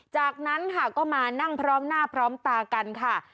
จากนั้นค่ะก็มานั่งพร้อมหน้าพร้อมตากันค่ะ